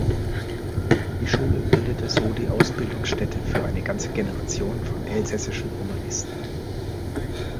Die Schule bildete so die Ausbildungsstätte für eine ganze Generation von elsässischen Humanisten.